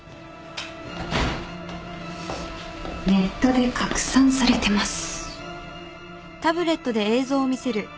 ネットで拡散されてます。